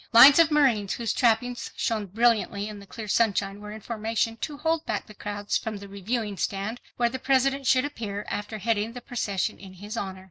Lines of marines whose trappings shone brilliantly in the clear sunshine were in formation to hold back the crowds from the Reviewing stand where the President should appear after heading the procession in his honor.